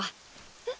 えっ。